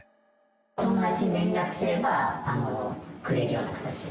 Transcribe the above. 友達に連絡すれば、くれるような形で。